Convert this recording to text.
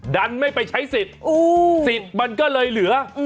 ดันไม่ไปใช้สิทธิ์สิทธิ์มันก็เลยเหลือ